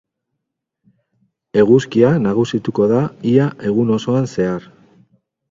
Eguzkia nagusituko da ia egun osoan zehar.